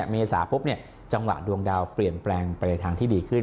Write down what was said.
เมษาปุ๊บจังหวะดวงดาวเปลี่ยนแปลงไปในทางที่ดีขึ้น